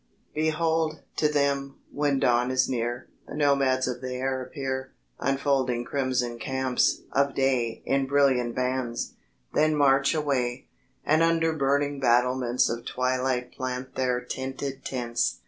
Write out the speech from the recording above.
Behold! to them, when dawn is near, The nomads of the air appear, Unfolding crimson camps of day In brilliant bands; then march away; And under burning battlements Of twilight plant their tinted tents.